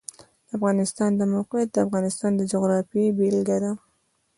د افغانستان د موقعیت د افغانستان د جغرافیې بېلګه ده.